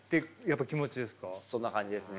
そんな感じですね。